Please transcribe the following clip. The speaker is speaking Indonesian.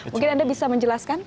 mungkin anda bisa menjelaskan